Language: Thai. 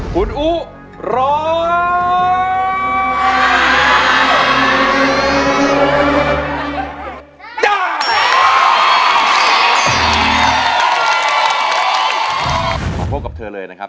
คุณอุ๊ร้องกับเธอเลยนะครับ